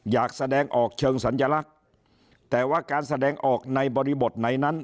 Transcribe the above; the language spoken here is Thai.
อยากแสดงออกเชิงสัญลักษณ์แต่ว่าการแสดงออกในบริบทไหนนั้น